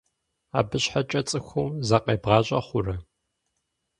Абы щхьэкӏэ цӏыхум закъебгъащӏэ хъурэ?